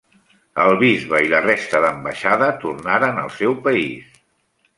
El bisbe i la resta d'ambaixada tornaren al seu país.